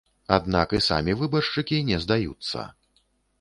Аднак і самі выбаршчыкі не здаюцца.